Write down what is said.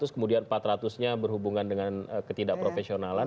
delapan ratus kemudian empat ratus nya berhubungan dengan ketidakprofesionalan